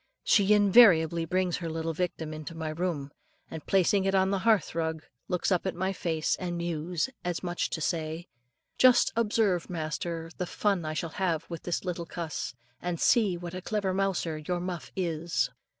She invariably brings her little victim into my room, and placing it on the hearth rug, looks up in my face, and mews, as much as to say, "Just observe, master, the fun I shall have with this little cuss; and see what a clever mouser your Muff is."